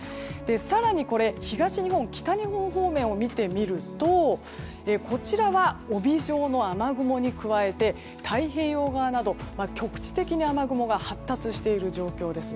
更に東日本、北日本方面を見てみるとこちらは帯状の雨雲に加えて太平洋側など、局地的に雨雲が発達している状況です。